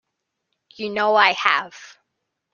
You know I have.